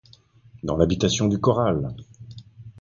Dans l’habitation du corral !